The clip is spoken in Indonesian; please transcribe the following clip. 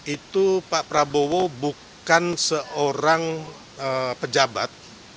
itu pak prabowo bukan seorang pejabat